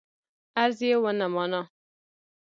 عرض یې ونه مانه.